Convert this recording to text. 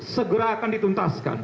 segera akan dituntaskan